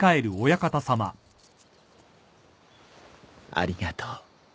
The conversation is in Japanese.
ありがとう。